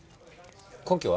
根拠は？